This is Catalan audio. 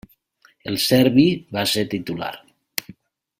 El serbi va ser titular.